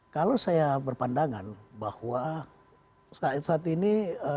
kalau saya berpandangan bahwa saat ini